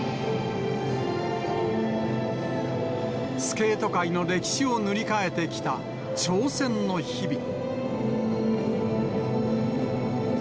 スケート界の歴史を塗り替えてきた挑戦の日々。